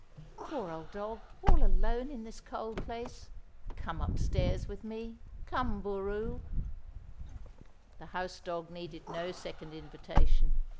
"Poor old dog, all alone in this cold place. Come upstairs with me; come, Boroo." The house dog needed no second invitation.